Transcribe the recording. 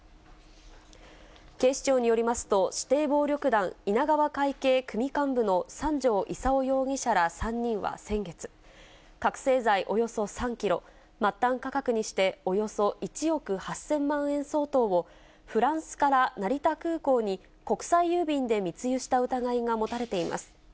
警視庁によりますと、指定暴力団稲川会系組幹部の三条功容疑者ら３人は先月、覚醒剤およそ３キロ、末端価格にしておよそ１億８０００万円相当を、フランスから成田空港に国際郵便で密輸した疑いが持たれています。